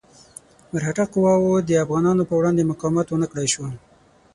مرهټه قواوو د افغانانو په وړاندې مقاومت ونه کړای شو.